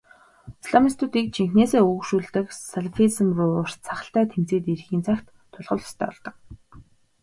Исламистуудыг жинхэнээсээ өөгшүүлдэг салафизм руу урт сахалтай тэмцээд ирэхийн цагт тулах л ёстой болдог.